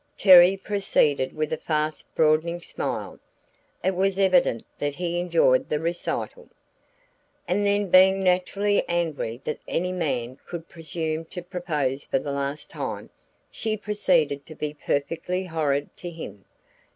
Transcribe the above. Terry proceeded with a fast broadening smile; it was evident that he enjoyed the recital. "And then being naturally angry that any man should presume to propose for the last time, she proceeded to be 'perfectly horrid' to him.